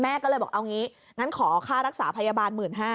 ก็เลยบอกเอางี้งั้นขอค่ารักษาพยาบาล๑๕๐๐